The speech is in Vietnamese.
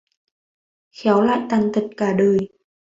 Khéo lại là tàn tật cả đời